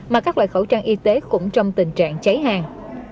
mà các loại khẩu trang y tế cũng trong tình trạng cháy hàng